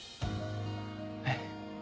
えっ？